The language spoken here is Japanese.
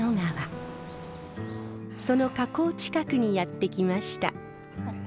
その河口近くにやって来ました。